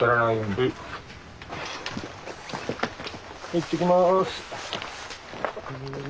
いってきます。